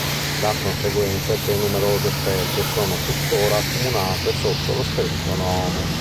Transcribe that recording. La conseguenza è che numerose specie sono tuttora accomunate sotto lo stesso nome.